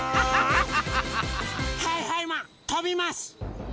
はいはいマンとびます！